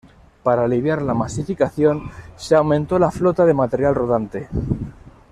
Para aliviar la masificación se aumentó la flota de material rodante.